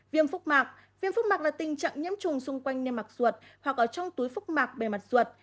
viêm phúc mạc viêm phúc mạc là tình trạng nhiễm trùng xung quanh niêm mạc ruột hoặc ở trong túi phúc mạc bề mặt ruột